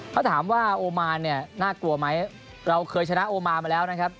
เขาถามว่าโอมานเนี่ยน่ากลัวไหมเราเคยชนะโอมานมามาแล้วนะครับ